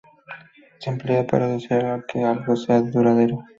Se emplea para desear que algo sea duradero.